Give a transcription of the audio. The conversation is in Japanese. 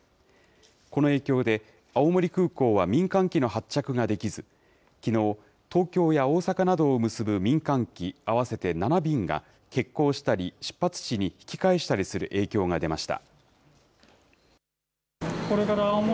この影響で、青森空港は民間機の発着ができず、きのう、東京や大阪などを結ぶ民間機合わせて７便が、欠航したり、出発地に引き返したりする影響が出ました。